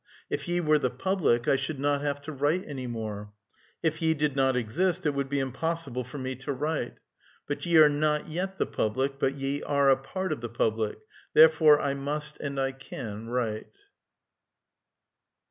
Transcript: If ye were the public, I should not have to write any more ; if ye did not exist, it would be impossi ble for me to write. But ye are not yet the public, but ye are a part of the public ; therefore, I must and I can write.